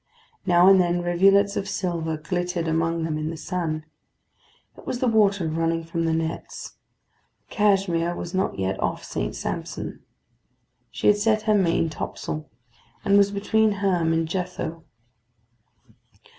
Now and then rivulets of silver glittered among them in the sun: it was the water running from the nets. The Cashmere was not yet off St. Sampson. She had set her main topsail, and was between Herm and Jethou.